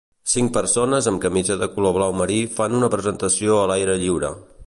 Cinc persones amb camisa de color blau marí fan una presentació a l'aire lliure.